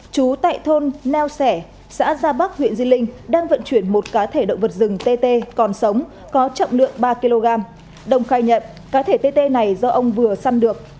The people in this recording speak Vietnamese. chú tại thôn neo xẻ xã gia bắc huyện di linh đang vận chuyển một cá thể động vật rừng tt còn sống có trọng lượng ba kg đồng khai nhận cá thể tê này do ông vừa săn được